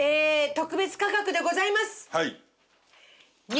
特別価格でございます。